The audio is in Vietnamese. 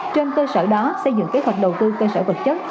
trên cơ sở đó xây dựng kế hoạch đầu tư cơ sở vật chất